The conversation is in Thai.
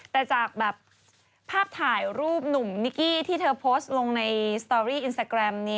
แต่จากแบบภาพถ่ายรูปหนุ่มนิกกี้ที่เธอโพสต์ลงในสตอรี่อินสตาแกรม